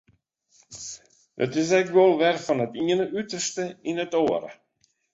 It is ek wol wer fan it iene uterste yn it oare.